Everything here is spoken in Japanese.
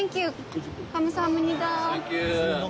サンキュー。